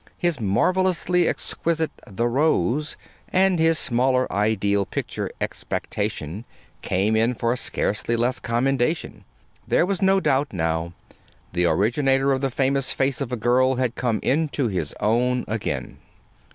His marvelously exquisite "The Rose," and his smaller ideal picture, "Expectation," came in for scarcely less commendation. There was no doubt now. The originator of the famous "Face of a Girl" had come into his own again.